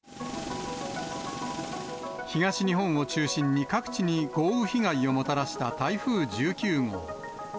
東日本を中心に、各地に豪雨被害をもたらした台風１９号。